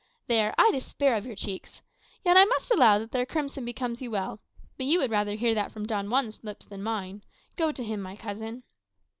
There, I despair of your cheeks. Yet I must allow that their crimson becomes you well. But you would rather hear that from Don Juan's lips than from mine. Go to him, my cousin."